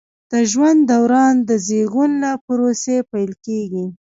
د ژوند دوران د زیږون له پروسې پیل کیږي.